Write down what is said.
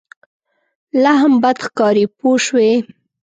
لا هم بد ښکاري پوه شوې!.